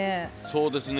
そうですね。